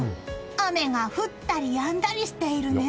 雨が降ったりやんだりしているね。